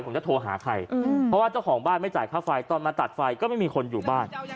ผมจะโทรหาใครเพราะว่าเจ้าของบ้านไม่จ่ายค่าไฟตอนมาตัดไฟก็ไม่มีคนอยู่บ้าน